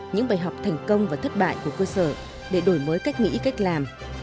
những bài học thành công và thất bại của cơ sở để đổi mới cách nghĩ cách làm